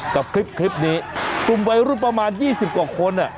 กับคลิปคลิปนี้ปรุ่มไว้รุ่นประมาณยี่สิบกว่าคนอ่ะ